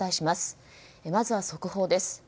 まずは速報です。